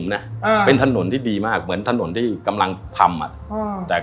บอกกันเลยว่าไม่มีหลุมนะเป็นถนนที่ดีมากเหมือนถนนที่กำลังทำ